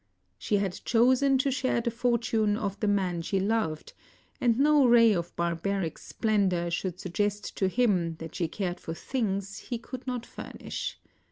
She had chosen to share the fortune of the man she loved, and no ray of barbaric splendor should sug gest to him that she cared for things he could not fur nish.